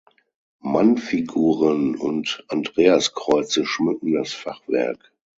Mannfiguren und Andreaskreuze schmücken das Fachwerk.